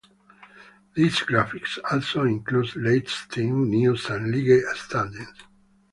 These graphics also includes latest team news and league standings.